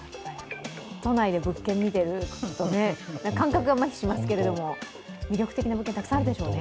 都内で物件見ていると、感覚がまひしますけれども、魅力的な物件、たくさんあるでしょうね。